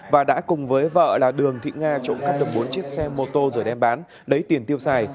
và đã cùng với vợ là đường thị nga trộm cắp được bốn chiếc xe mô tô rồi đem bán lấy tiền tiêu xài